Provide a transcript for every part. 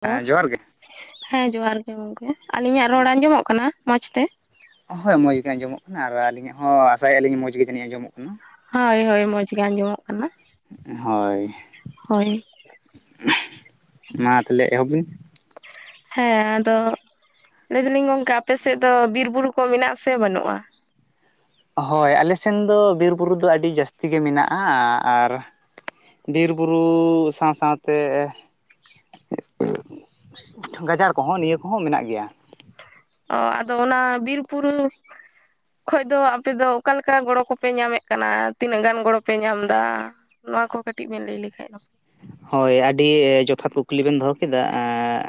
Hello ᱦᱮᱸ ᱡᱚᱦᱟᱨ ᱜᱮ ᱦᱮᱸ ᱡᱚᱸᱦᱟᱨ ᱜᱮ ᱜᱚᱝᱠᱮ᱾ ᱟᱹᱞᱤᱧᱟᱜ ᱨᱚᱲ ᱟᱸᱡᱚᱢᱚᱜ ᱠᱟᱱᱟ ᱢᱚᱸᱡᱽ ᱛᱮ? ᱦᱳᱭ ᱢᱚᱡᱽ ᱜᱮ ᱟᱸᱡᱚᱢᱚᱜ ᱠᱟᱱᱟ ᱟᱨ ᱟᱹᱞᱤᱧᱟᱜ ᱦᱚᱸ ᱟᱥᱟᱭᱮ ᱟᱞᱤᱧ ᱢᱚᱡᱽ ᱜᱮ ᱡᱟᱹᱱᱤᱡ ᱟᱸᱡᱚᱢᱚᱜ ᱠᱟᱱᱟ᱾ ᱦᱳᱭ ᱦᱳᱭ ᱢᱚᱸᱡᱽ ᱜᱮ ᱟᱡᱚᱢᱚᱜ ᱠᱟᱱᱟ ᱾ ᱦᱳᱭ᱾ ᱢᱟ ᱛᱟᱞᱦᱮ ᱮᱦᱚᱵ ᱵᱤᱱ᱾ ᱦᱮᱸ ᱟᱫᱚ ᱞᱟᱹᱭ ᱮᱫᱟᱞᱤᱧ ᱜᱚᱝᱠᱮ ᱟᱯᱮ ᱥᱮᱫ ᱫᱚ ᱵᱤᱨ ᱵᱩᱨᱩ ᱠᱚ ᱢᱮᱱᱟᱜ ᱥᱮ ᱵᱟᱹᱱᱩᱜᱼᱟ? ᱦᱳᱭ ᱟᱞᱮ ᱥᱮᱱ ᱫᱚ ᱵᱤᱨᱼᱵᱩᱨᱩ ᱫᱚ ᱟᱹᱰᱤ ᱡᱟᱹᱥᱛᱤ ᱜᱮ ᱢᱮᱱᱟᱜᱼᱟ ᱟᱨ ᱵᱤᱨ ᱵᱩᱨᱩ ᱥᱟᱶ ᱥᱟᱶᱛᱮ [unintelligible] ᱜᱟᱡᱟᱲ ᱠᱚᱦᱚᱸ, ᱱᱤᱭᱟᱹ ᱠᱚᱦᱚᱸ ᱢᱮᱱᱟᱜ ᱜᱮᱭᱟ᱾ ᱚ ᱟᱫᱚ ᱚᱱᱟ ᱵᱤᱨᱵᱩᱨᱩ ᱠᱷᱚᱡ ᱫᱚ ᱟᱯᱮ ᱫᱚ ᱚᱠᱟ ᱞᱮᱠᱟ ᱜᱚᱲᱚ ᱠᱚᱯᱮ ᱧᱟᱢᱮᱫ ᱠᱟᱱᱟ, ᱛᱤᱱᱟᱹᱜ ᱜᱟᱱ ᱜᱚᱲᱚᱯᱮ ᱧᱟᱢ ᱫᱟ? ᱱᱚᱣᱟ ᱠᱚ ᱠᱟᱹᱴᱤᱡ ᱵᱮᱱ ᱞᱟᱹᱭ ᱞᱮᱠᱷᱟᱡ ᱦᱳᱭ ᱟᱹᱰᱤ ᱡᱚᱛᱷᱟᱛ ᱠᱩᱠᱞᱤ ᱵᱮᱱ ᱫᱚᱦᱚ ᱠᱮᱫᱟ᱾ ᱮᱸ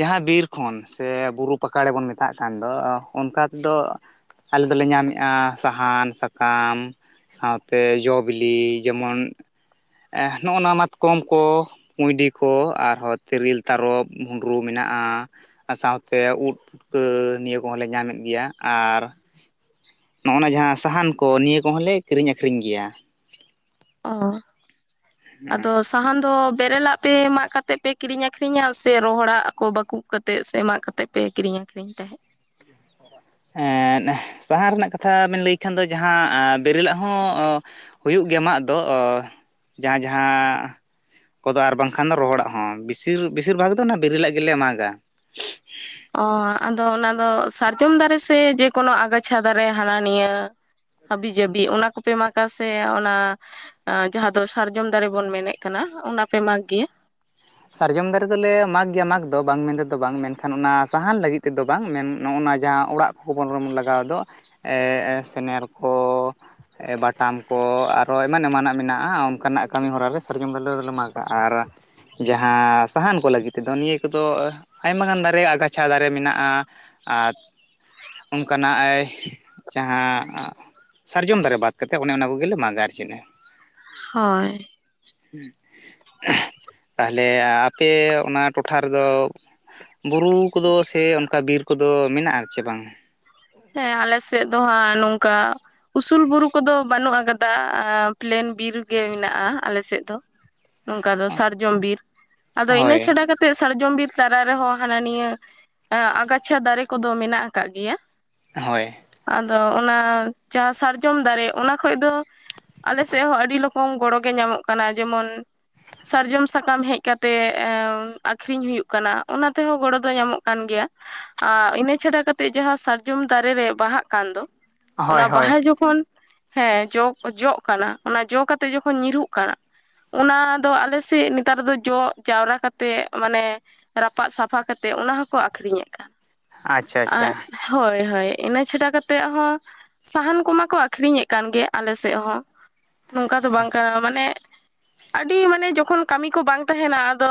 ᱡᱟᱦᱟᱸ ᱵᱤᱨ ᱠᱷᱚᱱ ᱥᱮ ᱵᱩᱨᱩ ᱯᱟᱠᱟᱲᱮ ᱵᱚᱱ ᱢᱮᱛᱟᱜ ᱠᱟᱱ ᱫᱚ ᱚᱱᱠᱟ ᱛᱮᱫᱚ ᱟᱞᱮ ᱫᱚᱞᱮ ᱧᱟᱢᱮᱜᱼᱟ ᱥᱟᱦᱟᱱ, ᱥᱟᱠᱟᱢ᱾ ᱥᱟᱶᱛᱮ ᱡᱚ ᱵᱤᱞᱤ ᱡᱮᱢᱚᱱ ᱱᱚᱜᱼᱚ ᱱᱚᱣᱟ ᱢᱟᱛᱠᱚᱢ ᱠᱚ, ᱠᱩᱸᱰᱤ ᱠᱚ ᱟᱨᱦᱚᱸ ᱛᱨᱮᱤᱞ ᱛᱟᱨᱚᱵ ᱵᱷᱩᱸᱰᱨᱩ ᱢᱮᱱᱟᱜᱼᱟ ᱾ ᱥᱟᱶᱛᱮ ᱩᱫ ᱯᱩᱴᱠᱟᱹ ᱱᱤᱭᱟᱹ ᱠᱚᱦᱚᱸ ᱞᱮ ᱧᱟᱢᱮᱫ ᱜᱮᱭᱟ, ᱟᱨ ᱱᱚᱜᱼᱱᱟ ᱡᱟᱦᱟᱸ ᱥᱟᱦᱟᱱ ᱠᱚ ᱱᱤᱭᱟᱹ ᱠᱚᱦᱚᱸᱞᱮ ᱠᱤᱨᱤᱧ ᱟᱠᱷᱨᱤᱧ ᱜᱮᱭᱟ ᱾ ᱚ ᱟᱫᱚ ᱥᱟᱦᱟᱱ ᱫᱚ ᱵᱮᱨᱮᱞᱟᱜ ᱯᱮ ᱢᱟᱜ ᱠᱟᱛᱮᱜ ᱯᱮ ᱠᱤᱨᱤᱧ ᱟᱠᱷᱨᱤᱧᱟ ᱥᱮ ᱨᱚᱦᱚᱲᱟᱜ ᱠᱚ ᱵᱟᱠᱩᱵ ᱠᱟᱛᱮᱫ ᱥᱮ ᱢᱟᱜ ᱠᱟᱛᱮᱜ ᱯᱮ ᱠᱤᱨᱤᱧ ᱟᱠᱷᱨᱤᱧ ᱛᱟᱦᱮᱸᱫ? ᱮᱸᱫ ᱥᱟᱦᱟᱱ ᱨᱮᱱᱟᱜ ᱠᱟᱛᱷᱟ ᱵᱮᱱ ᱞᱟᱹᱭ ᱠᱷᱟᱱ ᱫᱚ ᱡᱟᱦᱟᱸ ᱟ ᱵᱮᱨᱮᱞᱟᱜ ᱦᱚᱸ ᱦᱩᱭᱩᱜ ᱜᱮᱭᱟ ᱢᱟᱜ ᱫᱚ ᱚ ᱡᱟᱦᱟᱸ ᱡᱟᱦᱟᱸ ᱠᱚᱫᱚ ᱟᱨ ᱵᱟᱝᱠᱷᱟᱱ ᱫᱚ ᱨᱚᱦᱚᱲᱟᱜ ᱦᱚᱸ᱾ ᱵᱤᱥᱤᱨ ᱵᱮᱥᱤᱨ ᱵᱷᱟᱜᱽ ᱫᱚ ᱚᱱᱟ ᱵᱮᱨᱤᱞᱟᱜ ᱜᱮᱞᱮ ᱢᱟᱜᱟ᱾ ᱚ ᱟᱫᱚ ᱚᱱᱟᱫᱚ ᱥᱟᱨᱡᱚᱢ ᱫᱟᱨᱮ ᱥᱮ ᱡᱮᱠᱳᱱᱳ ᱟᱜᱟᱪᱷᱟ ᱫᱟᱨᱮ ᱦᱟᱱᱟ ᱱᱤᱭᱟᱹ? ᱦᱟᱹᱵᱤ-ᱡᱟᱹᱵᱤ ᱚᱱᱟ ᱠᱚᱯᱮ ᱢᱟᱜ-ᱟ ᱥᱮ ᱚᱱᱟ ᱡᱟᱦᱟᱸ ᱫᱚ ᱥᱟᱨᱡᱚᱢ ᱫᱟᱨᱮ ᱵᱚᱱ ᱢᱮᱱᱮᱫ ᱠᱟᱱᱟ ᱚᱱᱟᱯᱮ ᱢᱟᱜᱽ ᱜᱮᱭᱟ᱾ ᱥᱟᱨᱡᱚᱢ ᱫᱟᱨᱮ ᱫᱚᱞᱮ ᱢᱟᱜᱽ ᱜᱮᱭᱟ ᱢᱟᱜᱽ ᱫᱚ ᱵᱟᱝ ᱢᱮᱱ ᱛᱮᱫᱚ ᱵᱟᱝ ᱢᱮᱱᱠᱷᱟᱱ ᱚᱱᱟ ᱥᱟᱦᱟᱱ ᱞᱟᱹᱜᱤᱫ ᱛᱮᱫᱚ ᱵᱟᱝ᱾ ᱢᱮᱱ ᱱᱚᱜᱼᱚᱱᱟ ᱡᱟᱦᱟᱸ ᱚᱲᱟᱜ [unintelligible] ᱞᱟᱜᱟᱣ ᱫᱚ ᱮᱸ ᱥᱮᱱᱮᱨ ᱠᱚ ᱵᱟᱴᱟᱢ ᱠᱚ ᱟᱨᱚ ᱮᱢᱟᱱ ᱮᱢᱟᱱᱟᱜ ᱢᱮᱱᱟᱜᱼᱟ ᱚᱱᱠᱟᱱᱟᱜ ᱠᱟᱹᱢᱤ ᱦᱚᱨᱟᱞᱮ ᱥᱟᱨᱡᱚᱢ ᱫᱟᱨᱮ ᱫᱚᱞᱮ ᱢᱟᱜᱟᱜᱼᱟ ᱟᱨ ᱡᱟᱦᱟᱸ ᱥᱟᱦᱟᱱ ᱠᱚ ᱞᱟᱹᱜᱤᱫ ᱛᱮᱫᱚ ᱱᱤᱭᱟᱹ ᱠᱚᱫᱚ ᱟᱭᱢ ᱜᱟᱱ ᱫᱟᱨᱮ ᱟᱜᱟᱪᱷᱟ ᱫᱟᱨᱮ ᱢᱮᱱᱟᱜᱼᱟ᱾ ᱟᱨ ᱚᱱᱠᱟᱱᱟᱜᱼᱟᱭ ᱡᱟᱦᱟᱸ ᱥᱟᱨᱡᱚᱢ ᱫᱟᱨᱮ ᱵᱟᱫ ᱠᱟᱛᱮᱮᱫ ᱚᱱᱮ ᱚᱱᱟ ᱠᱚᱜᱮᱞᱮ ᱢᱟᱜᱟ ᱟᱨ ᱪᱮᱫᱼᱟ, ᱦᱳᱭ ᱾ [unintelligible] ᱛᱟᱦᱞᱮ ᱟᱯᱮ ᱚᱱᱟ ᱴᱚᱴᱷᱟ ᱨᱮᱫᱚ ᱵᱩᱨᱩ ᱠᱚᱫᱚ ᱥᱮ ᱚᱱᱠᱟ ᱵᱤᱨ ᱠᱚᱫᱚ ᱢᱮᱱᱟᱜᱼᱴ-ᱟ ᱪᱮ ᱵᱟᱝ? ᱦᱮᱸ ᱟᱞᱮ ᱥᱮᱫ ᱫᱚ ᱦᱟᱸᱜ ᱱᱚᱝᱠᱟ᱾ ᱩᱥᱩᱞ ᱵᱩᱨᱩ ᱠᱚᱫᱚ ᱵᱟᱹᱱᱩᱜ ᱟᱠᱟᱫᱟ, ᱟᱸ ᱯᱞᱮᱱ ᱵᱤᱨᱜᱮ ᱢᱮᱱᱟᱜ-ᱟ ᱟᱞᱮᱥᱮᱫ ᱫᱚ᱾ ᱱᱚᱝᱠᱟ ᱫᱚ ᱥᱟᱨᱡᱚᱢ ᱵᱤᱨ, ᱟᱫᱚ ᱤᱱᱟᱹ ᱦᱳᱭ ᱪᱷᱟᱰᱟ ᱠᱟᱛᱮ ᱛᱮ ᱥᱟᱨᱡᱚᱢᱵᱤᱨ ᱛᱟᱞᱟ ᱨᱮᱦᱚᱸ ᱦᱟᱱᱟ ᱱᱤᱭᱟᱹ ᱟᱜᱟᱪᱷᱟ ᱫᱟᱨᱮ ᱠᱚᱫᱚ ᱢᱮᱱᱟᱜ ᱟᱠᱟᱫ ᱜᱮᱭᱟ᱾ ᱦᱳᱭ᱾ ᱟᱫᱚ ᱚᱱᱟ ᱡᱟᱦᱟᱸ ᱥᱟᱨᱡᱚᱢ ᱫᱟᱨᱮ ᱚᱱᱟ ᱠᱷᱚᱡ ᱫᱚ ᱟᱞᱮ ᱥᱮᱜ ᱦᱚᱸ ᱟᱹᱰᱤ ᱞᱚᱠᱚᱢ ᱜᱚᱲᱚᱜ ᱜᱮ ᱧᱟᱢᱚᱜ ᱠᱟᱱᱟ ᱡᱮᱢᱚᱱ᱾ ᱥᱟᱨᱡᱚᱢ ᱥᱟᱠᱟᱢ ᱦᱮᱡ ᱠᱟᱛᱮᱜ ᱮᱸ ᱟᱠᱷᱨᱤᱧ ᱦᱩᱭᱩᱜ ᱠᱟᱱᱟ ᱚᱱᱟ ᱛᱮᱦᱚᱸ ᱜᱚᱲᱚ ᱫᱚ ᱧᱟᱢᱚᱜ ᱠᱟᱱ ᱜᱮᱭᱟ᱾ ᱟᱸᱻ ᱤᱱᱟᱹ ᱪᱷᱟᱰᱟ ᱠᱟᱛᱮᱜ ᱡᱟᱦᱟᱸ ᱥᱟᱨ ᱡᱚᱢ ᱫᱟᱨᱮ ᱨᱮ ᱵᱟᱦᱟᱜ ᱠᱟᱱ ᱫᱚ, ᱦᱳᱭ ᱚᱱᱟ ᱦᱳᱭ ᱵᱟᱦᱟ ᱡᱚᱠᱷᱚᱱ ᱦᱮᱸ ᱡᱚ, ᱡᱚᱜ ᱠᱟᱱᱟ, ᱚᱱᱟ ᱡᱚ ᱠᱟᱛᱮᱜ ᱡᱚᱠᱷᱚᱱ ᱧᱩᱨᱦᱩᱜ ᱠᱟᱱᱟ᱾ ᱚᱱᱟ ᱫᱚ ᱟᱞᱮ ᱥᱮᱫ ᱱᱮᱛᱟᱨ ᱫᱚ ᱡᱚᱜ ᱡᱟᱣᱨᱟ ᱠᱟᱛᱮᱫ ᱢᱟᱱᱮ ᱨᱟᱯᱟᱜ ᱥᱟᱯᱷᱟ ᱠᱟᱛᱮᱫ ᱚᱱᱟ ᱦᱚᱸᱠᱚ ᱟᱠᱷᱨᱤᱧᱮᱫ ᱠᱟᱱ᱾ ᱟᱪᱪᱷᱟ ᱟᱪᱪᱷᱟ᱾ ᱟᱨ ᱦᱳᱭ ᱦᱳᱭ ᱤᱱᱟᱹ ᱪᱷᱟᱰᱟ ᱠᱟᱛᱮᱜ ᱦᱚᱸ ᱥᱟᱦᱟᱱ ᱠᱚᱢᱟ ᱠᱚ ᱟᱠᱷᱨᱤᱧᱮᱫ ᱠᱟᱱ ᱜᱮ ᱟᱞᱮ ᱥᱮᱫ ᱦᱚᱸ᱾ ᱱᱚᱝᱠᱟ ᱫᱚ ᱵᱟᱝ ᱠᱟ ᱢᱟᱱᱮ ᱟᱹᱰᱤ ᱢᱟᱱᱮ ᱡᱚᱠᱷᱚᱱ ᱠᱟᱹᱢᱤ ᱠᱚ ᱵᱟᱝ ᱛᱟᱦᱮᱱᱟ ᱟᱫᱚ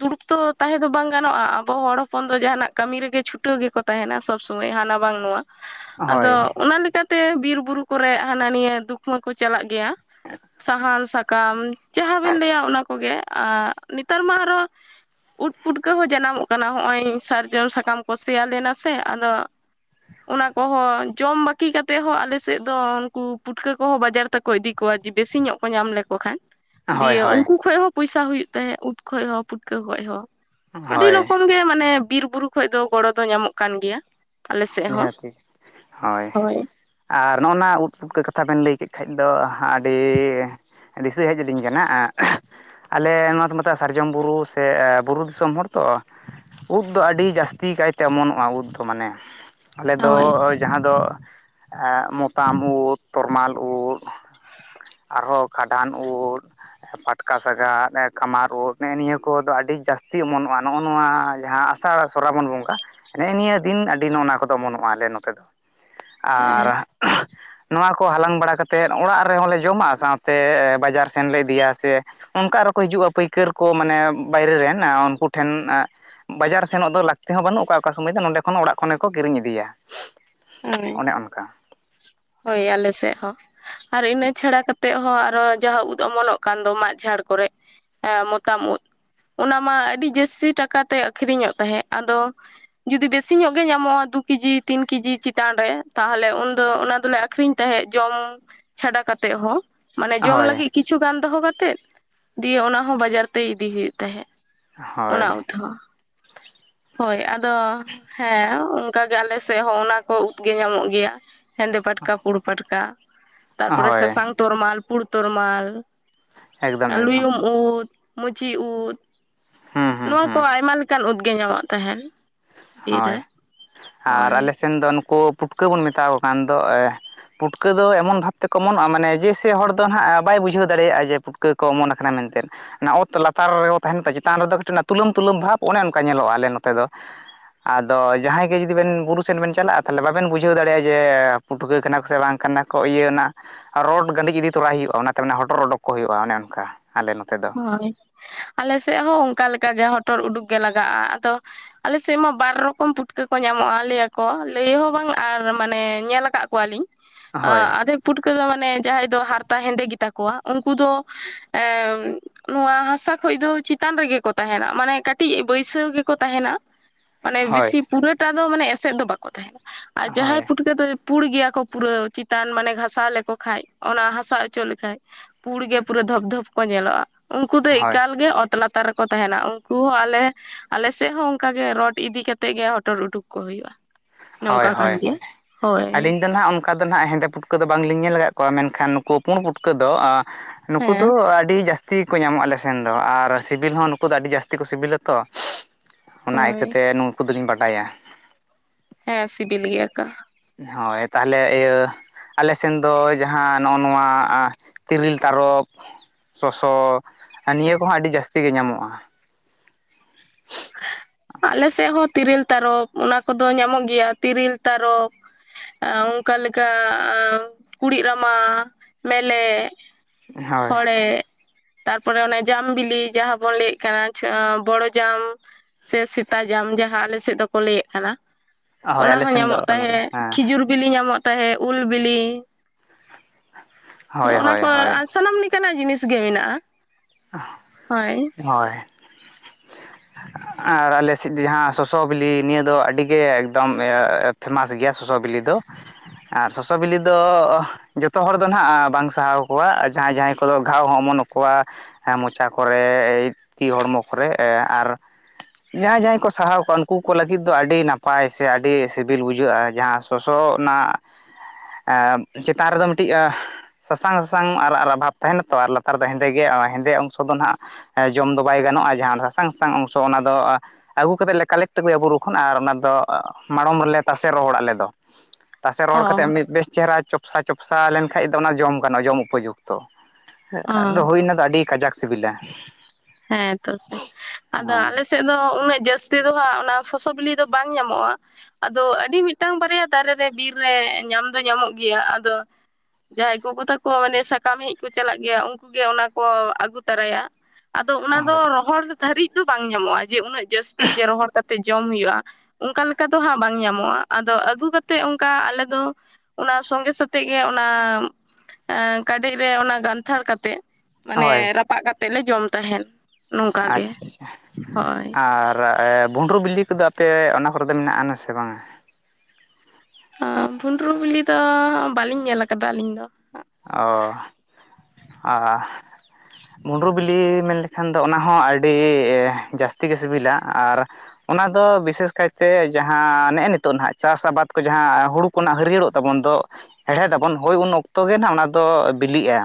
ᱫᱩᱲᱩᱯᱛᱚ ᱛᱟᱦᱮᱸ ᱫᱚ ᱵᱟᱝ ᱜᱟᱱᱚᱜᱼᱟ ᱟᱵᱚ ᱦᱚᱲ ᱦᱚᱚᱯᱚᱱ ᱫᱚ ᱡᱟᱦᱟᱱᱟᱜ ᱠᱟᱹᱢᱤ ᱨᱮᱜᱮ ᱪᱷᱩᱴᱟᱹᱣᱟ ᱜᱮᱠᱚ ᱛᱟᱦᱮᱱᱟ ᱥᱚ ᱥᱚᱢᱚᱭ ᱦᱟᱱᱟ ᱵᱟᱝ ᱱᱚᱣᱟ, ᱟᱫᱚ ᱦᱳᱭ ᱚᱱᱟ ᱞᱮᱠᱟᱛᱮ ᱵᱤᱨ ᱵᱩᱨᱩ ᱠᱚᱨᱮ ᱦᱟᱱᱟ ᱱᱤᱭᱟᱹ ᱫᱩᱠ ᱦᱚᱸᱠᱚ ᱪᱟᱞᱟᱜ ᱜᱮᱭᱟ, ᱥᱟᱦᱟᱱ ᱥᱟᱠᱟᱢ ᱡᱟᱦᱟᱸ ᱵᱤᱱ ᱞᱟᱹᱭᱟ ᱚᱱᱟ ᱠᱚᱜᱮ, ᱟᱨ ᱱᱮᱛᱟᱨ ᱢᱟ ᱟᱨᱚ ᱩᱫᱽ ᱯᱩᱴᱠᱟᱹ ᱦᱚᱸ ᱡᱟᱱᱟᱢᱚᱜ ᱠᱟᱱᱟ ᱦᱚᱸᱜᱼᱚᱭ ᱥᱟᱨᱡᱚᱢ ᱥᱟᱠᱟᱢ ᱠᱚ ᱥᱮᱭᱟ ᱞᱮᱱᱟ ᱥᱮ ᱟᱫᱚ ᱚᱱᱟ ᱠᱚᱦᱚᱸ ᱡᱚᱢ ᱵᱟᱹᱠᱤ ᱠᱟᱛᱮᱫ ᱦᱚᱸ ᱟᱞᱮ ᱥᱮᱫ ᱫᱚ ᱩᱱᱠᱩ ᱯᱩᱴᱠᱟᱹ ᱠᱚᱦᱚᱸ ᱵᱟᱡᱟᱨ ᱛᱮᱠᱚ ᱤᱫᱤ ᱠᱚᱣᱟ ᱡᱮ ᱵᱮᱥᱤ ᱧᱚᱜ ᱠᱚ ᱧᱟᱢ ᱞᱮᱠᱚ ᱠᱷᱟᱱ᱾ ᱦᱳᱭ ᱫᱤᱭᱮ ᱦᱳᱭ ᱩᱱᱠᱩ ᱠᱷᱚᱡ ᱦᱚᱸ ᱯᱚᱭᱥᱟ ᱦᱩᱭᱩᱜ ᱛᱟᱦᱮᱸᱫ ᱩᱫᱽ ᱠᱷᱚᱡ ᱦᱚᱸ ᱯᱩᱴᱠᱟᱹ ᱠᱷᱚᱡ ᱦᱚᱸ᱾ ᱟᱹᱰᱤ ᱦᱳᱭ ᱨᱚᱠᱚᱢ ᱜᱮ ᱢᱟᱱᱮ ᱵᱤᱨ ᱵᱩᱨᱩ ᱠᱷᱚᱡ ᱫᱚ ᱜᱚᱲᱚ ᱫᱚ ᱧᱟᱢᱚᱜ ᱠᱟᱱ ᱜᱮᱭᱟ᱾ ᱟᱞᱮ ᱥᱮᱫ ᱦᱚᱸ ᱱᱤᱦᱟᱹᱛᱤ, ᱦᱳᱭ᱾ ᱟᱨ ᱱᱚᱜᱼᱚ ᱱᱟ ᱩᱫᱽ ᱯᱩᱴᱠᱟᱹ ᱠᱟᱛᱷᱟ ᱵᱮᱱ ᱞᱟᱹᱭ ᱠᱮᱫ ᱠᱷᱟᱡ ᱫᱚ ᱟᱹᱰᱤ ᱫᱤᱥᱟᱹ ᱦᱮᱡ ᱟᱹᱞᱤᱧ ᱠᱟᱱᱟ ᱮᱸ ᱟᱞᱮ ᱱᱚᱣᱟ ᱛᱚ ᱢᱮᱛᱟᱜᱼᱟ ᱥᱟᱨᱡᱚᱢ ᱵᱩᱨᱩ ᱥᱮ ᱵᱩᱨᱩ ᱫᱤᱥᱚᱢ ᱦᱚᱲ ᱛᱚ ᱩᱫᱽ ᱫᱚ ᱟᱹᱰᱤ ᱡᱟᱹᱥᱛᱤ ᱠᱟᱭ ᱛᱮ ᱚᱢᱚᱱᱚᱜᱼᱟ ᱩᱫᱽ ᱫᱚ ᱢᱟᱱᱮ᱾ ᱟᱞᱮ ᱫᱚ ᱦᱳᱭ ᱡᱟᱦᱟᱸ ᱫᱚ ᱮᱸ ᱢᱚᱛᱟᱢ ᱩᱫᱽ ᱛᱚᱨᱢᱟᱞ ᱩᱫᱽ ᱟᱨᱦᱚᱸ ᱠᱷᱟᱰᱟᱱ ᱩᱫᱽ ᱮ ᱯᱟᱴᱠᱟ ᱥᱟᱜᱟᱫ ᱮ ᱠᱟᱢᱟᱨ ᱩᱫᱽ ᱱᱮᱜᱼᱮ ᱱᱤᱭᱟᱹ ᱠᱚᱫᱚ ᱟᱹᱰᱤ ᱡᱟᱹᱥᱛᱤ ᱚᱢᱚᱱᱚᱜᱼᱟ, ᱱᱚᱜᱼᱚ ᱱᱚᱣᱟ ᱡᱟᱦᱟᱸ ᱟᱥᱟᱲ ᱥᱚᱨᱟᱵᱚᱱ ᱵᱚᱸᱜᱟ, ᱱᱮᱜᱼᱮ ᱱᱤᱭᱟᱹ ᱫᱤᱱ ᱟᱹᱰᱤ ᱱᱚᱜ-ᱚ ᱱᱟ ᱠᱚᱫᱚ ᱚᱢᱚᱱᱚᱜᱼᱟ ᱟᱞᱮ ᱱᱚᱛᱮ ᱫᱚ᱾ ᱟᱨ [inaudible] ᱱᱚᱣᱟ ᱠᱚ ᱦᱟᱞᱟᱝ ᱵᱟᱲᱟ ᱠᱟᱛᱮᱫ ᱚᱲᱟᱜ ᱨᱮᱦᱚᱸ ᱞᱮ ᱡᱚᱢᱟ, ᱥᱟᱶᱛᱮ ᱵᱟᱡᱟᱨ ᱥᱮᱱ ᱞᱮ ᱤᱫᱤᱭᱟ ᱥᱮ ᱚᱱᱠᱟ ᱟᱨᱚ ᱠᱚ ᱦᱤᱡᱩᱜᱼᱟ ᱯᱟᱹᱭᱠᱟᱹᱨ ᱠᱚ ᱢᱟᱱᱮ ᱵᱟᱭᱨᱮ ᱨᱮᱱ ᱮᱸ ᱩᱱᱠᱩ ᱴᱷᱮᱱ ᱮᱸ ᱵᱟᱡᱟᱨ ᱥᱮᱱᱚᱜ ᱫᱚ ᱞᱟᱹᱠᱛᱤ ᱦᱚᱸ ᱵᱟᱹᱱᱩᱜ ᱚᱠᱟ ᱚᱠᱟ ᱥᱚᱢᱚᱭ ᱫᱚ ᱱᱚᱸᱰᱮ ᱠᱷᱚᱱ ᱚᱲᱟᱜ ᱠᱷᱚᱱ ᱜᱮ ᱠᱚ ᱠᱤᱨᱤᱧ ᱤᱫᱤᱭᱟ, ᱦᱳᱭ ᱚᱱᱮ ᱚᱱᱠᱟ᱾ ᱦᱳᱭ ᱟᱞᱮ ᱥᱮᱫ ᱦᱚᱸ, ᱟᱨ ᱤᱱᱟᱹ ᱪᱷᱟᱲᱟ ᱠᱟᱛ ᱛᱮᱫ ᱦᱚᱸ ᱟᱨᱚ ᱡᱟᱦᱟᱸ ᱩᱫᱽ ᱚᱢᱚᱱᱚᱜ ᱠᱟᱱ ᱫᱚ ᱢᱟᱫ ᱡᱷᱟᱲ ᱠᱚᱨᱮᱜ ᱮᱸ ᱢᱚᱛᱟᱢ ᱩᱫᱽ᱾ ᱚᱱᱟ ᱢᱟ ᱟᱹᱰᱤ ᱡᱟᱹᱥᱛᱤ ᱴᱟᱠᱟ ᱛᱮ ᱟᱠᱷᱨᱤᱧᱚᱜ ᱛᱟᱦᱮᱸᱫ ᱟᱫᱚ ᱡᱩᱫᱤ ᱵᱮᱥᱤ ᱧᱚᱜ ᱜᱮ ᱧᱟᱢᱚᱜᱼᱟ ᱫᱩ ᱠᱮᱡᱤ ᱛᱤᱱ ᱠᱮᱡᱤ ᱪᱮᱛᱟᱱ ᱨᱮ ᱛᱟᱦᱚᱞᱮ ᱩᱱ ᱫᱚ ᱚᱱᱟ ᱫᱚᱞᱮ ᱟᱠᱷᱨᱤᱧ ᱛᱟᱦᱮᱸᱫ ᱡᱚᱢ ᱪᱷᱟᱰᱟ ᱠᱟᱛᱮᱫ ᱦᱚᱸ, ᱢᱟᱱᱮ ᱡᱚᱢ ᱦᱳᱭ ᱞᱟᱹᱜᱤᱫ ᱠᱤᱪᱷᱩ ᱜᱟᱱ ᱫᱚᱦᱚ ᱠᱟᱛᱮᱜ, ᱫᱤᱭᱮ ᱚᱱᱟ ᱦᱚᱸ ᱵᱟᱡᱟᱨ ᱛᱮ ᱤᱫᱤ ᱦᱩᱭᱩᱜ ᱛᱟᱦᱮᱸᱫ᱾ ᱦᱳᱭ ᱚᱱᱟ ᱩᱫᱽ ᱦᱚᱸ᱾ ᱦᱳᱭ ᱟᱫᱚ ᱦᱮᱸ, ᱚᱱᱠᱟᱟ ᱜᱮ ᱟᱞᱮ ᱥᱮᱫ ᱦᱚᱸ ᱚᱱᱟ ᱠᱚ ᱩᱫᱽ ᱜᱮ ᱧᱟᱢᱚᱜ ᱜᱮᱭᱟ᱾ ᱦᱮᱸᱫᱮ ᱯᱟᱴᱠᱟ ᱯᱩᱬ ᱯᱟᱴᱠᱟ, ᱛᱟᱨᱯᱚᱨᱮ ᱦᱳᱭ ᱥᱟᱥᱟᱝ ᱛᱚᱨᱢᱟᱞ ᱯᱩᱬ ᱛᱚᱨᱢᱟᱞ᱾ ᱮᱠᱫᱚᱢ ᱟᱨ ᱮᱠᱫᱚᱢ ᱞᱩᱭᱩᱢ ᱩᱫᱽ, ᱢᱩᱪᱤ ᱩᱫ, ᱦᱩᱸ ᱦᱩᱸ ᱱᱚᱣᱟ ᱠᱚ ᱦᱩᱸ ᱟᱭᱢᱟ ᱞᱮᱠᱟᱱ ᱩᱫᱽ ᱜᱮ ᱧᱟᱢᱚᱜ ᱛᱟᱦᱮᱱ᱾ ᱦᱳᱭ ᱟᱨ ᱟᱞᱮ ᱥᱮᱱ ᱫᱚ ᱱᱩᱠᱩ ᱯᱩᱴᱠᱟᱹ ᱵᱚᱱ ᱢᱮᱛᱟᱣᱟ ᱠᱚ ᱠᱟᱱ ᱫᱚ ᱮ ᱯᱩᱴ ᱠᱟᱹ ᱫᱚ ᱮᱢᱚᱱ ᱵᱷᱟᱵᱽᱛᱮᱠᱚ ᱚᱢᱚᱱᱚᱜᱼᱟ ᱢᱟᱱᱮ ᱡᱮᱥᱮ ᱦᱚᱲ ᱫᱚ ᱱᱟᱦᱟᱜ ᱵᱟᱭ ᱵᱩᱡᱷᱟᱹᱣ ᱫᱟᱲᱮᱭᱟᱜᱼᱟ ᱡᱮ ᱯᱩᱴᱠᱟᱹ ᱠᱚ ᱚᱢᱚᱱ ᱟᱠᱟᱱᱟ ᱢᱮᱱᱛᱮᱫ᱾ ᱚᱱᱟ ᱚᱛ ᱞᱟᱛᱟᱨ ᱨᱮᱠᱚ ᱛᱟᱦᱮᱱᱟᱛᱚ ᱪᱮᱛᱟᱱ ᱨᱮᱫᱚ ᱠᱟᱹᱴᱤᱡ ᱚᱱᱟ ᱛᱩᱞᱟᱹᱢ ᱛᱩᱞᱟᱹᱢ ᱵᱷᱟᱵᱽ ᱚᱱᱮ ᱚᱱᱠᱟ ᱧᱮᱞᱚᱜᱼᱟ ᱟᱞᱮ ᱱᱚᱛᱮ ᱫᱚ᱾ ᱟᱫᱚ ᱡᱟᱦᱟᱸᱭ ᱜᱮ ᱡᱩᱫᱤ ᱵᱮᱱ ᱵᱩᱨᱩ ᱥᱮᱱ ᱵᱮᱱ ᱪᱟᱞᱟᱜᱼᱟ ᱛᱟᱞᱦᱮ ᱵᱟᱵᱮᱱ ᱵᱩᱡᱷᱟᱹᱣ ᱫᱟᱲᱮᱭᱟᱜᱼᱟ ᱡᱮ ᱯᱩᱴᱩᱠᱟᱹ ᱠᱟᱱᱟ ᱠᱚ ᱥᱮ ᱵᱟᱝ ᱠᱟᱱᱟ ᱠᱚ ᱤᱭᱟᱹ ᱱᱟ ᱨᱚᱰ ᱜᱟᱹᱰᱤᱡ ᱤᱫᱤ ᱛᱚᱨᱟᱭ ᱦᱩᱭᱩᱜᱼᱟ ᱚᱱᱟᱛᱮ ᱢᱟᱱᱮ ᱦᱚᱴᱚᱨ ᱚᱰᱚᱠ ᱠᱚ ᱦᱩᱭᱩᱜᱼᱟ ᱚᱱᱮ ᱚᱱᱠᱟ ᱟᱞᱮ ᱱᱚᱛᱮ ᱫᱚ ᱦᱳᱭ ᱟᱞᱮ ᱥᱮᱫ ᱦᱚᱸ ᱚᱱᱠᱟ ᱞᱮᱠᱟ ᱜᱮ ᱦᱚᱴᱚᱨ ᱩᱰᱩᱠ ᱜᱮ ᱞᱟᱜᱟᱜᱼᱟ ᱟᱫᱚᱼᱼ ᱟᱞᱮ ᱥᱮᱫ ᱢᱟ ᱵᱟᱨ ᱨᱚᱠᱚᱢ ᱯᱩᱴᱠᱟᱹ ᱠᱚ ᱧᱟᱢᱚᱜᱼᱟ ᱞᱟᱹᱭᱟ ᱠᱚ ᱞᱟᱹᱭ ᱦᱚᱸ ᱵᱟᱝ ᱟᱨ ᱢᱟᱱᱮ ᱧᱮᱞ ᱟᱠᱟᱫ ᱠᱚᱣᱟ ᱞᱤᱧ ᱟ ᱦᱳᱭ ᱟᱫᱮᱼᱼ ᱯᱩᱴᱠᱟᱹ ᱫᱚ ᱢᱟᱱᱮ ᱡᱟᱦᱟᱸᱭ ᱫᱚ ᱦᱟᱨᱛᱟ ᱦᱮᱸᱫᱮᱸ ᱜᱮᱛᱟ ᱠᱚᱣᱟ ᱩᱱᱠᱩ ᱫᱚ ᱮᱸᱻ ᱱᱚᱣᱟ ᱦᱟᱥᱟ ᱠᱷᱚᱡ ᱫᱚ ᱪᱮᱛᱟᱱ ᱨᱮᱜᱮ ᱠᱚ ᱛᱟᱦᱮᱱᱟ ᱢᱟᱱᱮ ᱠᱟᱹᱴᱤᱡ ᱵᱟᱹᱭᱥᱟᱹᱣ ᱜᱮ ᱠᱚ ᱛᱟᱦᱮᱱᱟ ᱢᱟᱱᱮ ᱦᱳᱭ ᱵᱮᱥᱤ ᱯᱩᱨᱟᱹᱴᱟ ᱫᱚ ᱢᱟᱱᱮ ᱮᱥᱮᱫ ᱫᱚ ᱵᱟᱠᱚ ᱛᱟᱦᱮᱱᱟ ᱟᱨ ᱦᱳᱭ ᱡᱟᱦᱟᱸᱭ ᱯᱷᱩᱴᱠᱟᱹ ᱫᱚᱼᱼ ᱯᱩᱲ ᱜᱮᱭᱟ ᱠᱚ ᱯᱩᱨᱟᱹᱣ ᱪᱮᱛᱟᱱ ᱢᱟᱱᱮ ᱜᱷᱟᱥᱟᱣ ᱞᱮᱠᱚ ᱠᱷᱟᱡ ᱚᱱᱟ ᱦᱟᱥᱟ ᱚᱪᱚᱜ ᱞᱮᱠᱷᱟᱡ ᱯᱩᱲ ᱜᱮ ᱯᱩᱨᱟᱹ ᱫᱷᱚᱯᱫᱷᱚᱯ ᱠᱚ ᱧᱮᱞᱚᱜᱼᱟ ᱩᱱᱠᱩ ᱫᱚ ᱦᱳᱭ ᱮᱠᱟᱞ ᱜᱮ ᱚᱛ‌ ᱞᱟᱛᱼᱼ [unintelligible] ᱨᱮᱠᱚ ᱛᱟᱦᱮᱱᱟ ᱩᱱᱠᱩ ᱦᱚᱸ ᱟᱞᱮᱼᱼ ᱟᱞᱮ ᱥᱮᱫ ᱦᱚᱸ ᱚᱱᱠᱟ ᱜᱮ ᱨᱚᱰ ᱤᱫᱤ ᱠᱟᱛᱮᱜ ᱜᱮ ᱦᱚᱴᱚᱨ ᱩᱰᱩᱠ ᱠᱚ ᱦᱩᱭᱩᱜᱼᱟ ᱦᱳᱭ ᱱᱚᱝᱠᱟ ᱠᱟᱱ ᱦᱳᱭ ᱜᱮᱭᱟ ᱦᱳᱭ ᱦᱳᱭ ᱟᱹᱞᱤᱧ ᱫᱚ ᱱᱟᱦᱟᱜ ᱚᱱᱠᱟ ᱚᱱᱠᱟ ᱫᱚ ᱱᱟᱦᱟᱜ ᱦᱮᱸᱫᱮ ᱯᱷᱩᱴᱠᱟᱹ ᱫᱚ ᱵᱟᱝ ᱞᱤᱧ ᱧᱮᱞ ᱟᱠᱟᱫ ᱠᱚᱣᱟ ᱢᱮᱱ ᱠᱷᱟᱱ ᱱᱩᱠᱩ ᱯᱩᱬ ᱯᱩᱴᱠᱟᱹ ᱫᱚ ᱱᱩᱠᱩ ᱫᱚ ᱦᱮᱸ ᱟᱹᱰᱤ ᱡᱟᱥᱼᱼ ᱡᱟᱹᱥᱛᱤ ᱠᱚ ᱧᱟᱢᱚᱜᱼᱟ ᱟᱞᱮ ᱥᱮᱱ ᱫᱚ ᱟᱨ ᱥᱤᱵᱤᱞ ᱦᱚᱸ ᱱᱩᱠᱩ ᱫᱚ ᱟᱹᱰᱤ ᱡᱟᱹᱥᱛᱤ ᱠᱚ ᱥᱤᱵᱤᱞᱟᱛᱚ ᱚᱱᱟ ᱤᱠᱷᱟᱹ ᱦᱳᱭ ᱛᱮ ᱱᱩᱝᱠᱩ ᱫᱚᱞᱤᱧ ᱵᱟᱰᱟᱭᱟ ᱦᱮᱸ ᱥᱤᱵᱤᱞ ᱜᱮᱭᱟᱠᱟ ᱦᱳᱭ ᱛᱟᱦᱞᱮ ᱤᱭᱟᱹ ᱟᱞᱮ ᱥᱮᱱ ᱫᱚ ᱡᱟᱦᱟᱸ ᱱᱚᱜᱼᱚ ᱱᱚᱣᱟ ᱛᱤᱨᱤᱞ ᱛᱟᱨᱚᱯ ᱥᱚᱥᱚ ᱱᱤᱭᱟᱹ ᱠᱚ ᱦᱚᱸ ᱟᱹᱰᱤ ᱡᱟᱹᱥᱛᱤ ᱜᱮ ᱧᱟᱢᱚᱜᱼᱟ ᱟᱞᱮ ᱥᱮᱫ ᱦᱚᱸ ᱛᱤᱨᱤᱞ ᱛᱟᱨᱚᱯ ᱚᱱᱟ ᱠᱚ ᱫᱚ ᱧᱟᱢᱚᱜ ᱜᱮᱭᱟ ᱛᱤᱨᱤᱞ ᱛᱟᱨᱚᱯ ᱚᱱᱠᱟ ᱞᱮᱠᱟ ᱠᱩᱲᱤᱫ ᱨᱟᱢᱟ ᱢᱮᱞᱮ ᱦᱳᱭ ᱦᱚᱲᱮᱜ ᱛᱟᱨᱯᱚᱨᱮ ᱚᱱᱮ ᱡᱟᱢ ᱵᱤᱞᱤ ᱡᱟᱦᱟᱸ ᱵᱚᱱ ᱞᱟᱹᱭ ᱮᱫ ᱠᱟᱱᱟ ᱵᱚᱲᱚᱡᱟᱢ ᱥᱮ ᱥᱮᱛᱟ ᱡᱟᱢ ᱡᱟᱦᱟᱸ ᱟᱞᱮ ᱥᱮᱫ ᱫᱚᱠᱚ ᱞᱟᱹᱭᱮᱫ ᱠᱟᱱᱟ ᱦᱳᱭ ᱚᱱᱟ ᱟᱞᱮ ᱦᱚᱸ ᱥᱮᱱ ᱫᱚ ᱧᱟᱢᱚᱜ ᱚᱱᱟ ᱫᱚ ᱛᱟᱦᱮᱸ ᱦᱮᱸ ᱠᱷᱤᱡᱩᱨ ᱵᱤᱞᱤ ᱧᱟᱢᱚᱜ ᱛᱟᱦᱮᱸ ᱩᱞ ᱵᱤᱞᱤ ᱦᱳᱭ ᱱᱚᱜ ᱱᱚᱣᱟ ᱦᱳᱭ ᱠᱚ ᱦᱳᱭ ᱟᱨ ᱥᱟᱱᱟᱢ ᱞᱮᱠᱟᱱᱟᱜ ᱡᱤᱱᱤᱥ ᱜᱮ ᱢᱮᱱᱟᱜᱼᱟ ᱦᱳᱭ ᱦᱳᱭ [inaudible] ᱟᱨ ᱟᱞᱮ ᱥᱮᱫ ᱡᱟᱦᱟᱸ ᱥᱚᱥᱚ ᱵᱤᱞᱤ ᱱᱤᱭᱟᱹ ᱫᱚ ᱟᱹᱰᱤ ᱜᱮ ᱮᱠᱫᱚᱢ ᱯᱷᱮᱢᱟᱥ ᱜᱮᱭᱟ ᱥᱚᱥᱚ ᱵᱤᱞᱤ ᱫᱚ ᱟᱨ ᱥᱚᱥᱚ ᱵᱤᱞᱤ ᱫᱚ ᱡᱚᱛᱚ ᱦᱚᱲ ᱫᱚ ᱱᱟᱦᱟᱜ ᱵᱟᱝ ᱥᱟᱦᱟᱣ ᱠᱚᱣᱟ ᱡᱟᱦᱟᱸᱭ ᱡᱟᱦᱟᱸᱭ ᱠᱚᱫᱚ ᱜᱷᱟᱣ ᱦᱚᱸ ᱚᱢᱚᱱᱼᱼ ᱠᱚᱣᱟ ᱢᱚᱪᱟ ᱠᱚᱨᱮ ᱮᱭ ᱛᱤ ᱦᱚᱲᱢᱚ ᱠᱚᱨᱮᱼᱮ ᱟᱨ ᱡᱟᱦᱟᱸᱭ ᱡᱟᱦᱟᱸᱭ ᱠᱚ ᱥᱟᱦᱟᱣ ᱠᱚᱣᱟ ᱩᱱᱠᱩ ᱠᱚ ᱞᱟᱹᱜᱤᱫ ᱫᱚ ᱟᱹᱰᱤ ᱱᱟᱯᱟᱭ ᱥᱮ ᱟᱹᱰᱤ ᱥᱤᱵᱤᱞ ᱵᱩᱡᱷᱟᱹᱜᱼᱟ ᱡᱟᱦᱟᱸ ᱥᱚᱥᱚ ᱚᱱᱟ ᱮᱸ ᱪᱮᱛᱟᱱ ᱨᱮ ᱫᱚ ᱢᱤᱫᱴᱤᱡ ᱥᱟᱥᱟᱝ ᱥᱟᱥᱟᱝ ᱟᱨᱟᱜ ᱟᱨᱟᱜ ᱵᱷᱟᱵᱽ ᱛᱟᱦᱮᱱᱟᱛᱚ ᱟᱨ ᱞᱟᱛᱟᱨ ᱫᱚ ᱦᱮᱸᱫᱮ ᱜᱮ ᱦᱮᱸᱫᱮ ᱚᱝᱥᱚ ᱫᱚ ᱱᱟᱦᱟᱜ ᱡᱚᱢ ᱫᱚ ᱵᱟᱭ ᱜᱟᱱᱚᱜᱼᱟ ᱡᱟᱦᱟᱸ ᱥᱟᱥᱟᱝ ᱥᱟᱥᱟᱝ ᱚᱝᱥᱚ ᱚᱱᱟ ᱫᱚᱼᱼ ᱟᱹᱜᱩ ᱠᱟᱛᱮᱫ ᱞᱮ ᱠᱟᱞᱮᱠᱴ ᱟᱹᱜᱩᱭᱟ ᱵᱩᱨᱩ ᱠᱷᱚᱱ ᱟᱨ ᱚᱱᱟ ᱫᱚ ᱢᱟᱲᱚᱢ ᱨᱮᱞᱮ ᱛᱟᱥᱮ ᱨᱚᱦᱚᱲ ᱟᱞᱮ ᱫᱚ ᱛᱟᱥᱮ ᱨᱚᱦᱚᱲ ᱚ ᱠᱟᱛᱮᱜ ᱢᱤᱫ ᱵᱮᱥ ᱪᱮᱦᱨᱟ ᱪᱚᱯᱥᱟ ᱪᱚᱯᱥᱟ ᱞᱮᱱ ᱠᱷᱟᱡ ᱫᱚ ᱚᱱᱟ ᱡᱚᱢ ᱜᱟᱱᱚᱜᱼᱟ ᱡᱚᱢ ᱩᱯᱚᱡᱩᱠ ᱛᱚ ᱚ ᱟᱫᱚ ᱦᱩᱭᱱᱟ ᱫᱚ ᱟᱹᱰᱤ ᱠᱟᱡᱟᱠ ᱥᱤᱵᱤᱞᱟ ᱦᱮᱸ ᱛᱚ ᱥᱮ ᱟᱫᱚ ᱦᱳᱭ ᱟᱞᱮ ᱥᱮᱼᱼ ᱥᱮᱫ ᱫᱚ ᱩᱱᱟᱹᱜ ᱡᱟᱹᱥᱛᱤ ᱫᱚᱦᱟᱸᱜ ᱚᱱᱟ ᱥᱚᱥᱚ ᱵᱤᱞᱤ ᱫᱚ ᱵᱟᱝ ᱧᱟᱢᱚᱜᱼᱟ ᱟᱫᱚ ᱟᱹᱰᱤ ᱢᱤᱫᱴᱟᱝ ᱵᱟᱨᱭᱟ ᱫᱟᱨᱮ ᱨᱮ ᱵᱤᱨ ᱨᱮ ᱧᱟᱢ ᱫᱚ ᱧᱟᱢᱚᱜ ᱜᱮᱭᱟ ᱟᱫᱚᱼᱼ ᱡᱟᱦᱟᱸᱭ ᱜᱚᱜᱚ ᱛᱟᱠᱚ ᱢᱟᱱᱮ ᱥᱟᱠᱟᱢ ᱦᱮᱡ ᱠᱚ ᱪᱟᱞᱟᱜ ᱜᱮᱭᱟ ᱩᱱᱠᱩ ᱜᱮ ᱚᱱᱟ ᱠᱚ ᱟᱹᱜᱩ ᱛᱟᱨᱟᱭᱟ ᱟᱫᱚ ᱚᱱᱟ ᱫᱚ ᱦᱳᱭ ᱨᱚᱦᱚᱲ ᱫᱷᱟᱹᱨᱤᱡ ᱫᱚ ᱵᱟᱝ ᱧᱟᱢᱚᱜᱼᱟ ᱡᱮ ᱩᱱᱟᱹᱜ ᱡᱟᱹᱥᱛᱤ ᱡᱮ ᱨᱚᱦᱚᱲ ᱠᱟᱛᱮ ᱛᱮ ᱡᱚᱢ ᱦᱩᱭᱩᱜᱼᱟ ᱚᱱᱠᱟ ᱞᱮᱠᱟ ᱫᱚ ᱦᱟᱸᱜ ᱵᱟᱝ ᱧᱟᱢᱚᱜᱼᱟ ᱟᱫᱚ ᱟᱹᱜᱩ ᱠᱟᱛᱮᱜ ᱚᱱᱠᱟ ᱟᱞᱮ ᱫᱚᱼᱼ ᱚᱱᱟ ᱥᱚᱸᱜᱮ ᱥᱟᱛᱮᱜ ᱜᱮ ᱚᱱᱟ ᱠᱟᱰᱮᱡ ᱨᱮ ᱚᱱᱟ ᱜᱟᱱᱛᱷᱟᱲ ᱠᱟᱛᱮᱜ ᱢᱟᱱᱮ ᱨᱟᱯᱟᱜ ᱠᱟᱛᱮᱜ ᱞᱮ ᱡᱚᱢ ᱛᱟᱦᱮᱱ ᱱᱚᱝᱠᱟ ᱜᱮ ᱟᱪᱷᱟ-ᱟᱪᱷᱟ ᱦᱳᱭ ᱟᱨ ᱵᱷᱩᱸᱰᱨᱩ ᱵᱤᱞᱤ ᱠᱚᱫᱚ ᱟᱯᱮ ᱚᱱᱟ ᱠᱚᱨᱮᱫ ᱫᱚ ᱢᱮᱱᱟᱜ ᱟᱱᱟ ᱥᱮ ᱵᱟᱝ-ᱟ? ᱵᱷᱩᱸᱰᱨᱩ ᱵᱤᱞᱤ ᱫᱚ ᱵᱟᱞᱤᱧ ᱧᱮᱞ ᱟᱠᱟᱫᱟ ᱟᱹᱞᱤᱧ ᱫᱚ ᱦᱟᱸᱜ ᱚ, ᱟᱦ ᱵᱷᱩᱸᱰᱨᱩ ᱵᱤᱞᱤ ᱢᱮᱱ ᱞᱮᱠᱷᱟᱱ ᱫᱚ ᱚᱱᱟ ᱦᱚᱸ ᱟᱹᱰᱤ ᱡᱟᱹᱥᱛᱤ ᱜᱮ ᱥᱤᱵᱤᱞᱟ ᱟᱨ ᱚᱱᱟ ᱫᱚ ᱵᱤᱥᱮᱥ ᱠᱟᱭᱛᱮ ᱡᱟᱦᱟᱸ ᱱᱮᱜᱼᱮ ᱱᱤᱛᱚᱜ ᱱᱟᱦᱟᱜ ᱪᱟᱥ ᱟᱵᱟᱫᱽ ᱠᱚ ᱡᱟᱦᱟᱸ ᱦᱳᱲᱳ ᱠᱚ ᱱᱟᱜ ᱦᱟᱹᱨᱭᱟᱹᱲᱚᱜ ᱛᱟᱵᱚᱱ ᱫᱚ ᱦᱮᱲᱦᱮᱫᱟᱵᱚᱱ ᱦᱳᱭ ᱩᱱ ᱚᱠ ᱛᱚ ᱜᱮ ᱱᱟᱦᱟᱜ ᱚᱱᱟ ᱫᱚ ᱵᱤᱞᱤᱜᱼᱟ᱾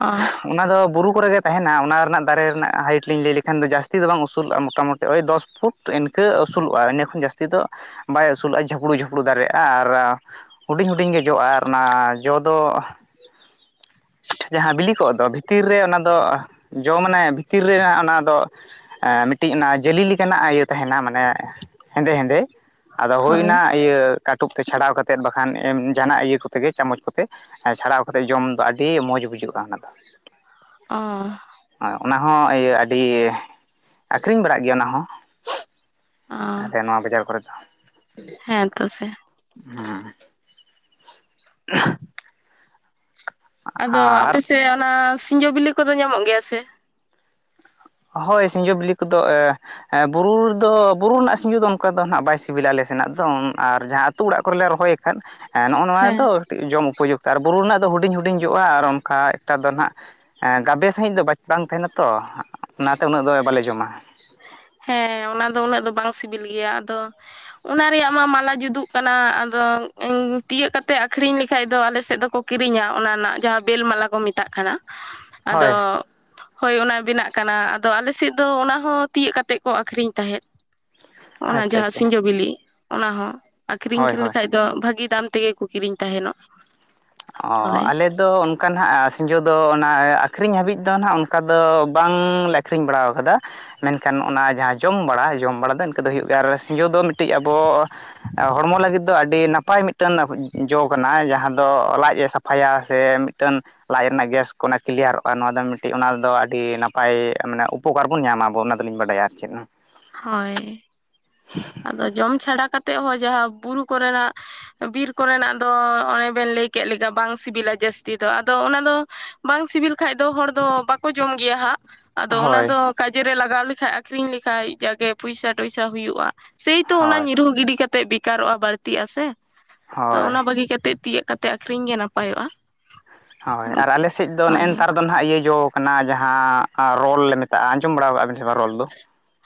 ᱚᱸᱻ ᱚᱱᱟ ᱫᱚ ᱵᱩᱨᱩ ᱠᱚᱨᱮᱜ ᱜᱮ ᱛᱟᱦᱮᱱᱟ ᱚᱱᱟ ᱨᱮᱱᱟᱜ ᱫᱟᱨᱮ ᱨᱮᱱᱟᱜ ᱦᱟᱭᱤᱴ ᱞᱤᱧ ᱞᱟᱹᱭ ᱞᱮᱠᱷᱟᱱ ᱫᱚ ᱡᱟᱹᱥᱛᱤ ᱫᱚ ᱵᱟᱝ ᱩᱥᱩᱞᱚᱜᱼᱟ ᱢᱚᱴᱟ ᱢᱩᱴᱤ ᱳᱭ ᱫᱚᱥ ᱯᱩᱴ ᱤᱱᱠᱟᱹ ᱩᱥᱩᱞᱚᱜᱼᱟ ᱤᱱᱟᱹ ᱠᱷᱚᱱ ᱡᱟᱹᱥᱛᱤ ᱫᱚ ᱵᱟᱭ ᱩᱥᱩᱞᱚᱜᱼᱟ ᱡᱷᱟᱹᱯᱲᱩ-ᱡᱷᱟᱹᱯᱲᱩ ᱫᱟᱨᱮᱜᱼᱟ ᱟᱨ ᱦᱩᱰᱤᱧ-ᱦᱩᱰᱤᱧ ᱜᱮ ᱡᱚᱜᱼᱟ ᱟᱨ ᱚᱱᱟ ᱡᱚ ᱫᱚ ᱵᱟᱝ ᱟᱸᱡᱚᱢᱚᱜ ᱠᱟᱱᱟ ᱡᱟᱦᱟᱸ ᱵᱤᱞᱤ ᱠᱚᱜ ᱫᱚ ᱵᱷᱤᱛᱤᱨ ᱨᱮ ᱚᱱᱟ ᱫᱚ ᱡᱚ ᱢᱟᱱᱮ ᱵᱷᱤᱛᱤᱨ ᱨᱮᱱᱟᱜ ᱚᱱᱟ ᱫᱚ ᱮᱸ ᱢᱤᱴᱤᱡ ᱚᱱᱟ ᱡᱮᱞᱤ ᱞᱮᱠᱟᱱᱟᱜ ᱤᱭᱟᱹ ᱛᱟᱦᱮᱱᱟ ᱢᱟᱱᱮ ᱦᱮᱸᱫᱮ- ᱦᱮᱸᱫᱮ ᱟᱫᱚ ᱦᱳᱭ ᱦᱩᱭᱱᱟ ᱤᱭᱟᱹ ᱠᱟᱹᱴᱩᱵ ᱛᱮ ᱪᱷᱟᱰᱟᱣ ᱠᱟᱛᱮ ᱵᱟᱠᱷᱟᱱ ᱮᱢ ᱡᱟᱦᱟᱱᱟᱜ ᱤᱭᱟᱹ ᱠᱚᱛᱮ ᱜᱮ ᱪᱟᱢᱚᱪ ᱠᱚᱛᱮ ᱪᱷᱟᱲᱟᱣ ᱠᱟᱛᱮᱫ ᱡᱚᱢ ᱫᱚ ᱟᱹᱰᱤ ᱢᱚᱸᱡᱽ ᱵᱩᱡᱷᱟᱹᱜᱼᱟ ᱚᱱᱟ ᱫᱚ ᱚᱸᱻ ᱚᱱᱟ ᱦᱚᱸ ᱤᱭᱟᱹ ᱟᱹᱰᱤ ᱟ. ᱠᱷᱨᱤᱧ ᱵᱟᱲᱟᱜ ᱜᱮᱭᱟ ᱚᱱᱟ ᱦᱚᱸ ᱚ ᱟᱞᱮ ᱱᱚᱣᱟ ᱵᱟᱡᱟᱨ ᱠᱚᱨᱮ ᱫᱚ ᱦᱮᱸ ᱛᱚ ᱥᱮ ᱦᱮᱸ ᱟᱫᱚ ᱟᱨ ᱟᱯᱮᱥᱮᱫ ᱚᱱᱟ ᱥᱤᱸᱡᱚ ᱵᱤᱞᱤ ᱠᱚᱫᱚ ᱧᱟᱢᱚᱜ ᱜᱮᱭᱟ ᱥᱮ? ᱦᱳᱭ ᱥᱤᱸᱡᱳ ᱵᱤᱞᱤ ᱠᱚᱫᱚ ᱮ ᱦᱮᱸ ᱵᱩᱨᱩ ᱨᱮ ᱫᱚ ᱵᱩᱨᱩ ᱨᱮᱱᱟᱜ ᱥᱤᱸᱡᱩ ᱫᱚ ᱚᱱᱠᱟ ᱫᱚ ᱦᱟᱸᱜ ᱵᱟᱭ ᱥᱤᱵᱤᱞᱟ ᱟᱞᱮ ᱥᱮᱱᱟᱜ ᱫᱚ ᱟᱨ ᱡᱟᱦᱟᱸ ᱟᱹᱛᱩ ᱚᱲᱟᱜ ᱠᱚᱨᱮ ᱞᱮ ᱨᱚᱦᱚᱭ ᱟᱠᱟᱫ ᱱᱚᱜ-ᱚ ᱱᱚᱣᱟ ᱦᱮᱸ ᱫᱚ ᱡᱚᱢ ᱩᱯᱚᱡᱩᱠᱛ ᱟᱨ ᱵᱩᱨᱩ ᱨᱮᱱᱟᱜ ᱫᱚ ᱦᱩᱰᱤᱧ-ᱦᱩᱰᱤᱧ ᱡᱚᱜᱼᱟ ᱟᱨ ᱚᱱᱠᱟ ᱮᱠᱴᱟ ᱫᱚ ᱱᱟᱦᱟᱜ ᱜᱟᱵᱮ ᱥᱟᱺᱦᱤᱡ ᱫᱚ ᱵᱟᱝ ᱛᱟᱦᱮᱱᱟ ᱛᱚ ᱚᱱᱟᱛᱮ ᱩᱱᱟᱹᱜ ᱫᱚ ᱵᱟᱞᱮ ᱡᱚᱢᱟ ᱦᱮᱸ ᱚᱱᱟ ᱫᱚ ᱩᱱᱟᱹᱜ ᱫᱚ ᱵᱟᱝ ᱥᱤᱵᱤᱞ ᱜᱮᱭᱟ ᱟᱫᱚ ᱚᱱᱟ ᱨᱮᱭᱟᱜ ᱢᱟ ᱢᱟᱞᱟ ᱡᱩᱫᱩᱜ ᱠᱟᱱᱟ ᱟᱫᱚ ᱛᱤᱭᱟᱹᱜ ᱠᱟᱛᱮ ᱟ. ᱠᱷᱨᱤᱧ ᱞᱮᱠᱷᱟᱡ ᱫᱚ ᱟᱞᱮ ᱥᱮᱫ ᱫᱚᱠᱚ ᱠᱤᱨᱤᱧᱟ ᱚᱱᱟ ᱨᱮᱱᱟᱜ ᱡᱟᱦᱟᱸ ᱵᱮᱞ ᱢᱟᱞᱟ ᱠᱚ ᱠᱚ ᱢᱮᱛᱟᱜ ᱠᱟᱱᱟ ᱦᱳᱭ ᱟᱫᱚ ᱦᱳᱭ ᱚᱱᱟ ᱵᱮᱱᱟᱜ ᱠᱟᱱᱟ ᱟᱫᱚ ᱟᱞᱮᱥᱮᱫ ᱫᱚ ᱚᱱᱟᱦᱚᱸ ᱛᱤᱭᱟᱹᱜ ᱠᱟᱛᱮᱜ ᱠᱚ ᱟᱹᱠᱷᱨᱤᱧ ᱛᱟᱦᱮᱸᱫ ᱚᱱᱟ ᱟᱪᱪᱷᱟ ᱡᱟᱦᱟᱸ ᱟᱪᱪᱷᱟ ᱥᱤᱸᱡᱚ ᱵᱤᱞᱤ ᱚᱱᱟ ᱦᱚᱸ ᱟ. ᱠᱷᱨᱤᱧ ᱦᱳᱭ ᱦᱳᱭ ᱞᱮᱠᱷᱟᱡ ᱫᱚ ᱵᱷᱟᱹᱜᱤ ᱫᱟᱢ ᱛᱮᱜᱮ ᱠᱚ ᱠᱤᱨᱤᱧ ᱛᱟᱦᱮ ᱱᱚᱜ ᱚᱦᱚ ᱟᱞᱮ ᱫᱚ ᱚᱱᱠᱟ ᱱᱟᱦᱟᱜ ᱥᱤᱸᱡᱚ ᱫᱚ ᱚᱱᱟ ᱟᱹᱠᱷᱨᱤᱧ ᱦᱟᱹᱵᱤᱡ ᱫᱚ ᱱᱟᱦᱟᱜ ᱚᱱᱠᱟ ᱫᱚ ᱵᱟᱝ-ᱞᱮ ᱟᱹᱠᱷᱨᱤᱧ ᱵᱟᱲᱟᱣ ᱠᱟᱫᱟ ᱢᱮᱱᱠᱷᱟᱱ ᱱᱚᱜ-ᱚ ᱱᱟ ᱡᱟᱦᱟᱸ ᱡᱚᱢ ᱵᱟᱲᱟ ᱡᱚᱢ ᱵᱟᱲᱟ ᱫᱚ ᱤᱱᱠᱟᱹ ᱫᱚ ᱦᱩᱭᱩᱜ ᱜᱮᱭᱟ ᱟᱨ ᱥᱤᱸᱡᱚ ᱫᱚ ᱢᱤᱴᱤᱡ ᱟᱵᱚ ᱦᱚᱲᱢᱚ ᱞᱟᱹᱜᱤᱫ ᱫᱚ ᱟᱹᱰᱤ ᱱᱟᱯᱟᱭ ᱢᱤᱫᱴᱮᱱ ᱡᱚ ᱠᱟᱱᱟ ᱡᱟᱦᱟᱸ ᱫᱚ ᱞᱟᱡ ᱮ ᱥᱟᱯᱷᱟᱭᱟ ᱥᱮ ᱢᱤᱫᱴᱟᱹᱱ ᱞᱟᱡ ᱨᱮᱱᱟᱜ ᱜᱮᱥ ᱠᱚ ᱠᱞᱤᱭᱟᱨᱚᱜᱼᱟ ᱱᱚᱣᱟ ᱫᱚ ᱢᱤᱴᱤᱡ ᱚᱱᱟᱫᱚ ᱟᱹᱰᱤ ᱱᱟᱯᱟᱭ ᱢᱟᱱᱮ ᱩᱯᱚᱠᱟᱨ ᱵᱚᱱ ᱧᱟᱢᱟ ᱵᱚ ᱚᱱᱟ ᱫᱚᱞᱤᱧ ᱵᱟᱰᱟᱭᱟ ᱟᱨ ᱪᱮᱫ ᱦᱚᱸ ᱦᱳᱭ ᱟᱫᱚ ᱡᱚᱢ ᱪᱷᱟᱰᱟ ᱠᱟᱛᱮ ᱦᱚᱸ ᱡᱟᱦᱟᱸ ᱵᱩᱨᱩ ᱠᱚᱨᱮᱱᱟᱜ ᱵᱤᱨ ᱠᱚᱨᱮᱱᱟᱜ ᱫᱚ ᱚᱱᱮ ᱵᱮᱱ ᱞᱟᱹᱭ ᱠᱮᱫ ᱞᱮᱠᱟ ᱵᱟᱝ ᱥᱤᱵᱤᱞᱟ ᱡᱟᱹᱥᱛᱤ ᱫᱚ ᱟᱫᱚ ᱚᱱᱟ ᱫᱚ ᱵᱟᱝ ᱥᱤᱵᱤᱞ ᱠᱷᱟᱡ ᱫᱚ ᱦᱚᱲ ᱫᱚ ᱵᱟᱠᱚ ᱡᱚᱢ ᱜᱮᱭᱟ ᱦᱟᱸᱜ ᱟᱫᱚ ᱚᱱᱟ ᱦᱳᱭ ᱫᱚ ᱠᱟᱡᱮ ᱨᱮ ᱞᱟᱜᱟᱣ ᱞᱮᱠᱷᱟᱡ ᱟ. ᱠᱷᱨᱤᱧ ᱞᱮᱠᱷᱟᱡ ᱡᱟᱜᱮ ᱯᱚᱭᱥᱟ-ᱴᱚᱭᱥᱟ ᱦᱩᱭᱩᱜᱼᱟ᱾ ᱥᱮᱭᱛᱚ ᱚᱱᱟ ᱦᱳᱭ ᱧᱤᱨᱦᱩ ᱜᱤᱰᱤ ᱠᱟᱛᱮᱜ ᱵᱮᱠᱟᱨᱚᱜᱼᱟ ᱵᱟᱹᱲᱛᱤᱜ ᱟᱥᱮ ᱛᱚ ᱦᱳᱭ ᱚᱱᱟ ᱵᱟᱹᱜᱤ ᱠᱟᱛᱮᱜ ᱛᱤᱭᱟᱹᱜ ᱠᱟᱛᱮᱜ᱾ ᱛᱮ ᱟᱠᱷᱨᱤᱧ ᱜᱮ ᱱᱟᱯᱟᱭᱚᱜᱼᱟ᱾ ᱦᱳᱭ ᱟᱨ ᱟᱞᱮᱥᱮᱫ ᱫᱚ ᱱᱮᱜ-ᱮ ᱱᱮᱛᱟᱨᱼᱼ ᱫᱚ ᱱᱟᱦᱟᱜ ᱤᱭᱟᱹ ᱡᱚ ᱠᱟᱱᱟ ᱡᱟᱦᱟᱸ ᱨᱚᱞ ᱞᱮ ᱢᱮᱛᱟᱜᱼᱟ ᱟᱸᱡᱚᱢ ᱵᱟᱲᱟ ᱟᱠᱟᱜ ᱵᱮᱱ ᱥᱮ ᱵᱟᱝ ᱨᱚᱞ ᱫᱚ?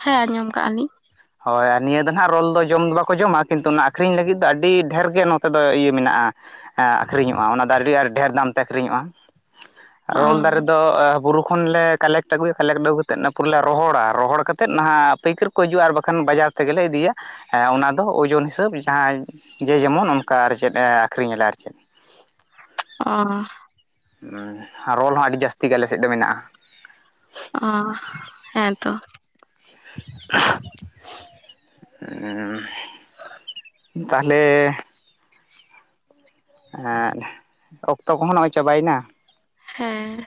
ᱦᱮᱸ ᱟᱸᱡᱚᱢ ᱠᱟᱜᱼᱟ ᱞᱤᱧ ᱾ ᱦᱚᱭ ᱟᱨ ᱱᱤᱭᱟᱹ ᱫᱚ ᱱᱟᱦᱟᱜ ᱨᱚᱞ ᱫᱚ ᱡᱚᱢ ᱫᱚ ᱵᱟᱠᱚ ᱡᱚᱢᱟ ᱠᱤᱱᱛᱩ ᱚᱱᱟ ᱟᱹᱠᱷᱨᱤᱧ ᱞᱟᱹᱜᱤᱫ ᱫᱚ ᱟᱹᱰᱤ ᱰᱷᱮᱨ ᱜᱮ ᱱᱚᱛᱮ ᱫᱚ ᱤᱭᱟᱹ ᱢᱮᱱᱟᱜᱼᱟ ᱾ ᱟᱹᱠᱷᱨᱤᱧᱚᱜᱼᱟ ᱚᱱᱟ ᱫᱚ ᱟᱹᱰᱤ ᱟᱸᱴ ᱰᱷᱮᱨ ᱫᱟᱢᱛᱮ ᱟᱹᱠᱷᱨᱤᱧᱚᱜᱼᱟ ᱾ ᱟᱨ ᱨᱚᱞ ᱚ ᱫᱟᱨᱮ ᱫᱚ ᱵᱩᱨᱩ ᱠᱷᱚᱱ ᱞᱮ ᱠᱟᱞᱮᱠᱴ ᱟᱹᱜᱩᱭᱟ ᱠᱟᱞᱮᱠᱴ ᱟᱹᱜᱩ ᱠᱟᱛᱮᱫ ᱚᱱᱟ ᱯᱩᱨᱟᱹᱞᱮ ᱨᱚᱦᱚᱲᱟ ᱨᱚᱦᱚᱲ ᱠᱟᱛᱮᱫ ᱱᱟᱦᱟᱜ ᱯᱟᱹᱭᱠᱟᱹᱨ ᱠᱚ ᱦᱤᱡᱩᱜᱼᱟ ᱟᱨ ᱵᱟ ᱠᱷᱟᱱ ᱵᱟᱡᱟᱨ ᱛᱮᱜᱮᱞᱮ ᱤᱫᱤᱭᱟ ᱚᱱᱟᱫᱚ ᱳᱡᱚᱱ ᱦᱤᱥᱟᱹᱵᱽ ᱡᱟᱦᱟᱸ ᱡᱮ ᱡᱮᱢᱚᱱ ᱚᱱᱠᱟ ᱟᱨ ᱪᱮᱫ ᱟᱹᱠᱷᱨᱤᱧ ᱮᱫᱟ ᱟᱨ ᱪᱮᱫ ᱾ ᱚᱻ ᱟᱨ ᱨᱚᱞ ᱦᱚᱸ ᱟᱹᱰᱤ ᱡᱟᱹᱥᱛᱤ ᱜᱮ ᱟᱞᱮ ᱥᱮᱫ ᱫᱚ ᱢᱮᱱᱟᱜᱼᱟ ᱾ ᱚ ᱦᱮᱸ ᱛᱚ ᱾ ᱩᱸ ᱛᱟᱦᱚᱞᱮᱻ ᱮᱸᱫ ᱚᱠᱛᱚ ᱠᱚᱦᱚᱸ ᱱᱚᱜᱼᱚᱭ ᱪᱟᱵᱟᱭᱮᱱᱟ ᱾ ᱦᱮᱸ